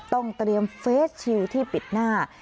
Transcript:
ต้องเตรียมเฟสชิลที่ปิดหน้า